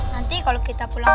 nanti kalau kita pulang